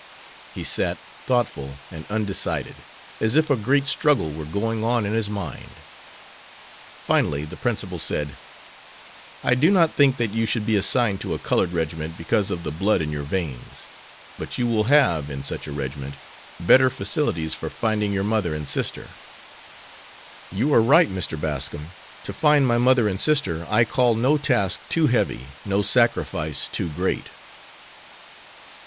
He sat, thoughtful and undecided, as if a great struggle were going on in his mind. Finally the principal said, "I do not think that you should be assigned to a colored regiment because of the blood in your veins, but you will have, in such a regiment, better facilities for finding your mother and sister." "You are right, Mr. Bascom. To find my mother and sister I call no task too heavy, no sacrifice too great."